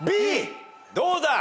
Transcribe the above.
どうだ？